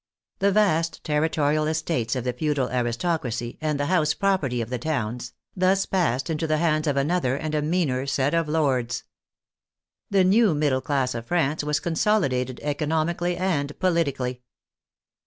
The vast territorial 114 THE FRENCH REVOLUTION estates of the feudal aristocracy, and the house property of the towns, thus passed into the hands of another and a meaner set of lords. The new middle class of France was consolidated economically and politically.